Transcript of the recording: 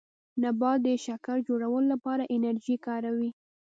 نبات د شکر جوړولو لپاره انرژي کاروي